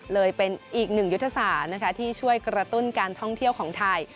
เลยเป็นอีกหนึ่งยุทธศาสตร์ที่ช่วยกระตุ้นการท่องเที่ยวของไทย